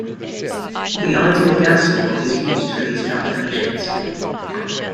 The ideal gas law is used for these calculations.